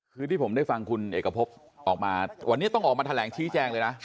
คือที่ผมได้ฟังคุณเอกพบออกมาวันนี้ต้องออกมาแถลงชี้แจงเลยนะ